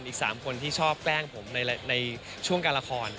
อีก๓คนที่ชอบแกล้งผมในช่วงการละคร